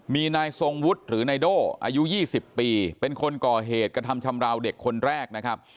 มีนายทรงวุฒิหรือนายโด่อายุ๒๐ปีเป็นคนก่อเหตุกระทำชำราวเด็กคนแรกนะครับ